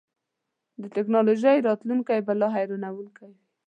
د ټیکنالوژۍ راتلونکی به لا حیرانوونکی وي.